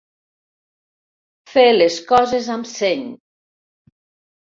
Fer les coses amb seny.